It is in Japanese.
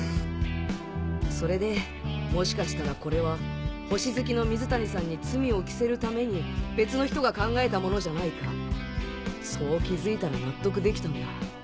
それでもしかしたらこれは星好きの水谷さんに罪を着せるために別の人が考えたものじゃないかそう気付いたら納得できたんだ。